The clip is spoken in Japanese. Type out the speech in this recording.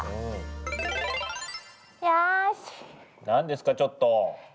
何ですかちょっと。